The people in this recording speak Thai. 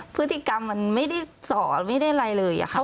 พฤติกรรมมันไม่ได้สอนไม่ได้อะไรเลยอะค่ะ